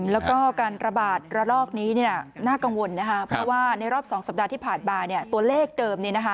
แล้วก็การระบาดระลอกนี้น่ากังวลนะคะเพราะว่าในรอบ๒สัปดาห์ที่ผ่านมาตัวเลขเดิม